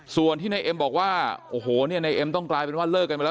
ส่วนที่นายเอ็มบอกว่าโอ้โหเนี่ยในเอ็มต้องกลายเป็นว่าเลิกกันไปแล้ว